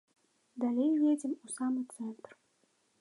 Далей едзем у самы цэнтр.